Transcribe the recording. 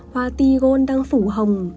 hoa ti gôn đang phủ hồng